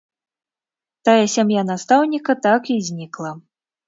Тая сям'я настаўніка так і знікла.